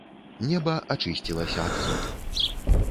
Неба ачысцілася ад хмар.